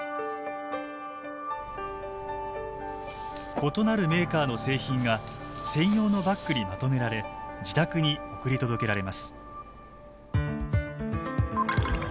異なるメーカーの製品が専用のバッグにまとめられ自宅に送り届けられます。